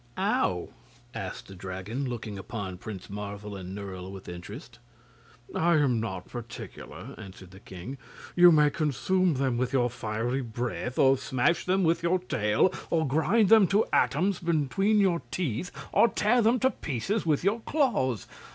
"How?" asked the Dragon, looking upon Prince Marvel and Nerle with interest. "I am not particular," answered the king. "You may consume them with your fiery breath, or smash them with your tail, or grind them to atoms between your teeth, or tear them to pieces with your claws.